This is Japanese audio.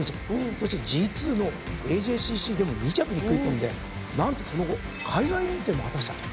そしてＧⅡのＡＪＣＣでも２着に食い込んで何とその後海外遠征も果たしたと。